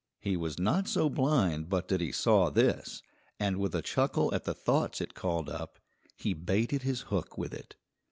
He was not so blind but that he saw this, and with a chuckle at the thoughts it called up, he baited his hook with it.